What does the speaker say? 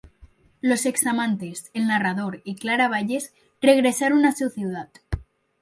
Los ex amantes, el narrador y Clara Bayes, regresaron a su ciudad.